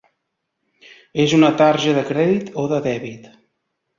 És una tarja de crèdit o de dèbit?